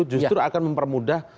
justru akan mempermudah